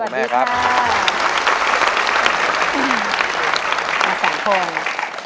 มาสังพงษ์